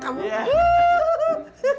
kamu mau cari makan darin sama kamu